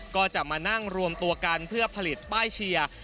ก็จะมานั่งรวมตัวกันเพื่อผลิตป้ายเชียร์